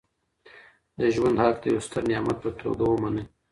د ژوند حق د یو ستر نعمت په توګه ومنئ.